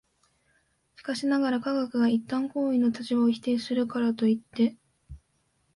しかしながら、科学が一旦行為の立場を否定するからといって、